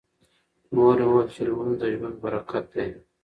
مور مې وویل چې لمونځ د ژوند برکت دی.